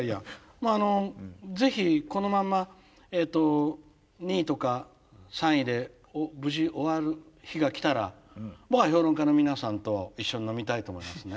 まああのぜひこのまま２位とか３位で無事終わる日が来たら僕は評論家の皆さんと一緒に飲みたいと思いますね。